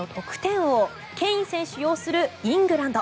王ケイン選手擁するイングランド。